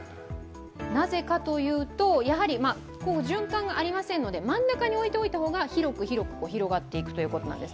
なぜかというと、やはり循環がありませんので真ん中に置いておいた方が広く広く広がっていくということなんです。